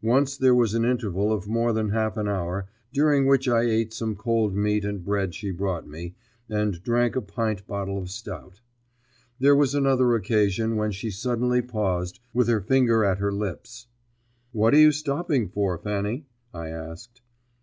Once there was an interval of more than half an hour, during which I ate some cold meat and bread she brought me, and drank a pint bottle of stout. There was another occasion when she suddenly paused, with her finger at her lips. "What are you stopping for, Fanny?" I asked.